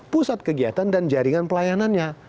pusat kegiatan dan jaringan pelayanannya